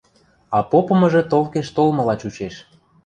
А попымыжы толкеш толмыла чучеш.